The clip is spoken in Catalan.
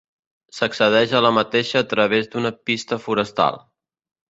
S'accedeix a la mateixa a través d'una pista forestal.